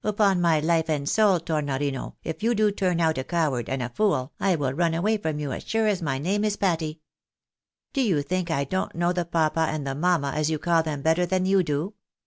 " Upon my hfe and soul, Tornorino, if you do turn out a coward and a fool, I will run away from you as sure as my name's Patty. Do you think I don't know the papa and the mamma, as you call them, better than you do